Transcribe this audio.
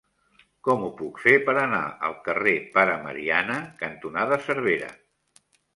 Com ho puc fer per anar al carrer Pare Mariana cantonada Cervera?